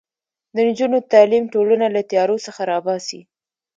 د نجونو تعلیم ټولنه له تیارو څخه راباسي.